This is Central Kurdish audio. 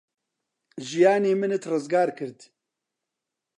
ژیانی منت ڕزگار کرد.